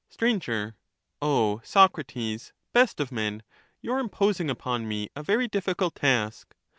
Str, O Socrates, best of men, you are imposing upon me a very difl5cult task.